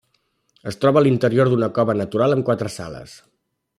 Es troba a l'interior d'una cova natural amb quatre sales.